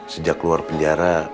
sejak keluar penjara